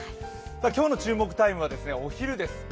今日の注目タイムはお昼です。